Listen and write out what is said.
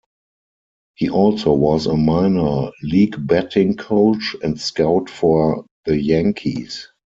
He also was a minor league batting coach and scout for the Yankees.